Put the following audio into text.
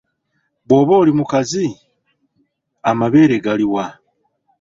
Bw’oba oli mukazi, amabeere gali wa?